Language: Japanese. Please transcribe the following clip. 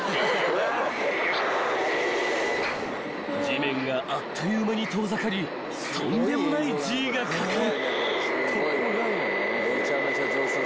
［地面があっという間に遠ざかりとんでもないＧがかかる］